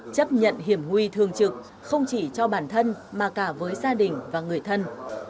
chấp nhận hiểm nguy thường trực không chỉ cho bản thân mà cả với gia đình và người thân